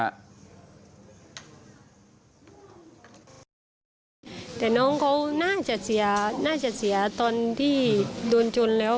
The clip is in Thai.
แต่น้องเขาน่าจะเสียน่าจะเสียตอนที่โดนชนแล้ว